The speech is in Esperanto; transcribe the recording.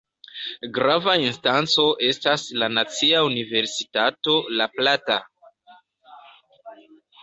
Grava instanco estas la Nacia Universitato La Plata.